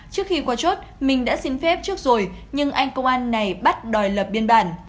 trước khi qua chốt mình đã xin phép trước rồi nhưng anh công an này bắt đòi lập biên bản